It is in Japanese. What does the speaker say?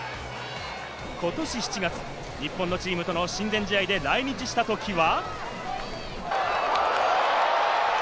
今年７月、日本のチームとの親善試合で来日した時は。